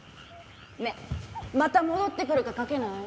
ねえまた戻ってくるか賭けない？